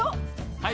はい。